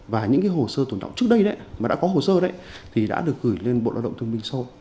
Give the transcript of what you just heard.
và những hồ sơ tồn động trước đây mà đã có hồ sơ đấy thì đã được gửi lên bộ lao động thương minh sâu